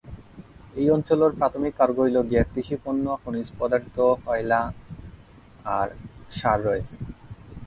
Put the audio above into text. এই অঞ্চলের প্রাথমিক কার্গো হল কৃষি পণ্য, খনিজ পদার্থ, কয়লা ও সার রয়েছে।